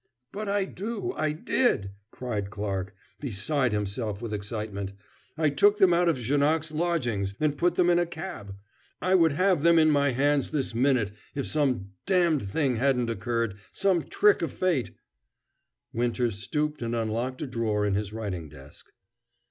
"But I do, I did," cried Clarke, beside himself with excitement. "I took them out of Janoc's lodgings, and put them in a cab. I would have them in my hands this minute if some d d thing hadn't occurred, some trick of fate " Winter stooped and unlocked a drawer in his writing desk.